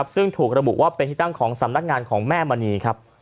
ซึ่งถูกระบุว่าเป็นที่ตั้งของสำนักงานของแม่มณีครับ